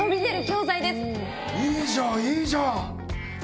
いいじゃんいいじゃん！